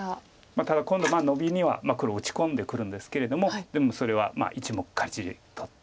ただ今度ノビには黒打ち込んでくるんですけれどもでもそれは１目かじり取って。